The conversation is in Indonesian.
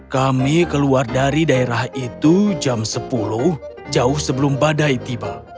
kami keluar dari daerah itu jam sepuluh jauh sebelum badai tiba